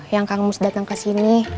yang kangus datang kesini